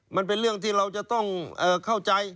มันเป็นเรื่องที่เราจะต้องเข้าใจ